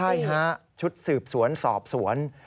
ใช่ฮะชุดสืบสวนสอบสวน